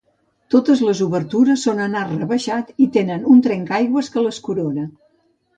Totes les obertures són en arc rebaixat, i tenen un trencaaigües que les corona.